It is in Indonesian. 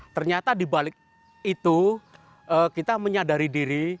ternyata dibalik itu kita menyadari diri